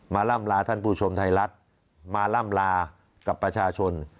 ล่ำลาท่านผู้ชมไทยรัฐมาล่ำลากับประชาชน